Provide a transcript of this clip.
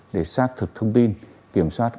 để xác thực thông tin kiểm soát